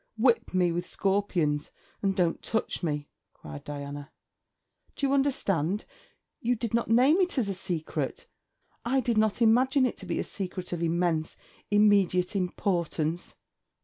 Whip me with scorpions. And don't touch me,' cried Diana. 'Do you understand? You did not name it as a secret. I did not imagine it to be a secret of immense, immediate importance.'